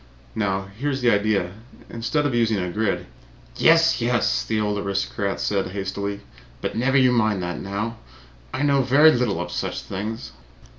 Now, here is the idea: instead of using a grid " "Yes, yes!" the old aristocrat said hastily. "But never mind that now. I know very little of such things.